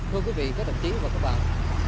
thưa quý vị các đặc trí và các bạn